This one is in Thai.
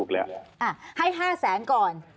ให้๕แสนก่อน